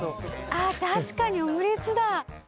あっ確かにオムレツだ。